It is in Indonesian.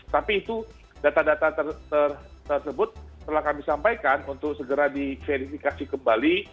tapi itu data data tersebut telah kami sampaikan untuk segera diverifikasi kembali